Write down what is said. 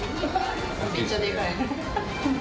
めっちゃデカい。